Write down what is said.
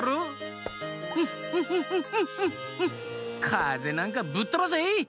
かぜなんかぶっとばせ！